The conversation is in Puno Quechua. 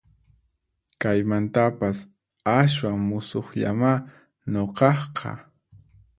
Kaymantapas aswan musuqllamá nuqaqqa